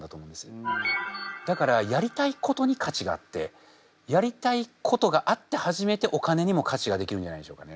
だからやりたいことに価値があってやりたいことがあって初めてお金にも価値ができるんじゃないでしょうかね。